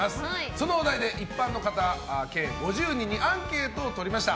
そのお題で一般の方、計５０人にアンケートを取りました。